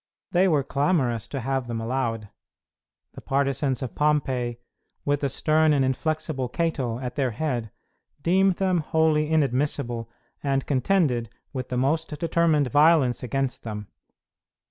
They were clamorous to have them allowed. The partisans of Pompey, with the stern and inflexible Cato at their head, deemed them wholly inadmissible and contended with the most determined violence against them.